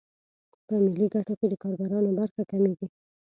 په ملي ګټو کې د کارګرانو برخه کمېږي